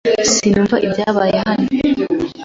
Sinumva ibyabaye hano.